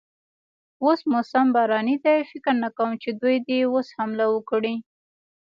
اوس موسم باراني دی، فکر نه کوم چې دوی دې اوس حمله وکړي.